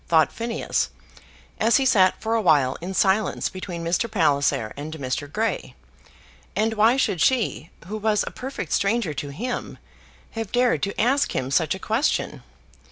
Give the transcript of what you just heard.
thought Phineas, as he sat for a while in silence between Mr. Palliser and Mr. Grey; and why should she, who was a perfect stranger to him, have dared to ask him such a question?